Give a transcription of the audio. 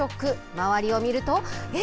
周りを見るとえ？